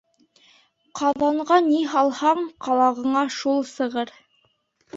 Ҡаҙанға ни һалһаң, ҡалағыңа шул сығыр.